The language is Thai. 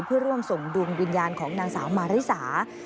เพื่อร่วมส่งดวงวิญญาณของนางสาวมาริสา